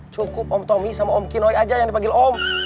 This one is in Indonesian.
cukup omtomi sama om kinoi aja yang dipanggil om